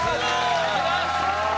お願いします。